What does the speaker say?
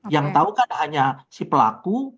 yang tahu kan hanya si pelaku